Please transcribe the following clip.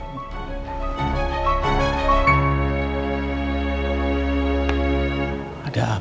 nah udah pulang